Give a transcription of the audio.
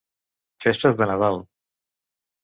Festes de Nadal.